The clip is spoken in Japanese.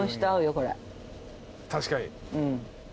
確かに。